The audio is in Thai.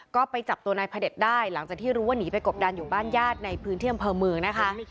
ก็ไปจับตัวนายพระเด็จได้หลังจากที่รู้ว่าหนีไปกบดันอยู่บ้านญาติในพื้นที่อำเภอเมืองนะคะ